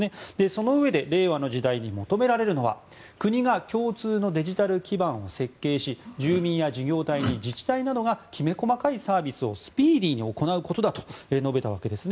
そのうえで令和の時代に求められるのは国が共通のデジタル基盤を設計し住民や事業体に自治体などがきめ細かいサービスをスピーディーに行うことだと述べたわけです。